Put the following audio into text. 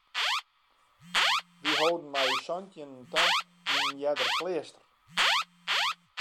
Wy holden mei ús santjinnen ta yn in earder kleaster.